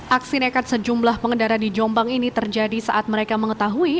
aksi nekat sejumlah pengendara di jombang ini terjadi saat mereka mengetahui